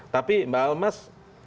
tapi mbak almas